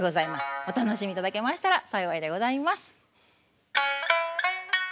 お楽しみいただけましたら幸いでございます。